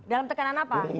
dalam tekanan apa